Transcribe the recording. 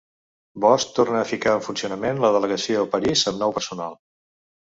Bosch torna a ficar en funcionament la delegació a París amb nou personal